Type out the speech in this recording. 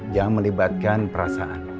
jangan melibatkan perasaan